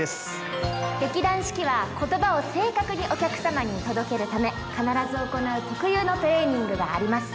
劇団四季は言葉を正確にお客様に届けるため必ず行う特有のトレーニングがあります。